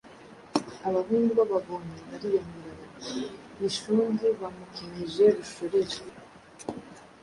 Abahungu bababonye bariyamira, bati: “Bishunzi bamukenyeje Rushorera!”